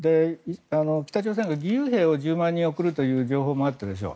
北朝鮮が義勇兵を１０万人送るという情報もあったでしょ。